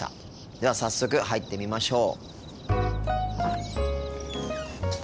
では早速入ってみましょう。